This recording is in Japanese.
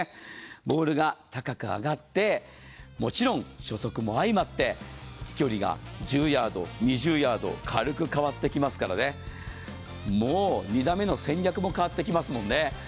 ボールが高く上がって、もちろん初速も相まって飛距離が１０ヤード、２０ヤード、軽く変わってきますからね、もう２打目の戦略も変わってきますからね。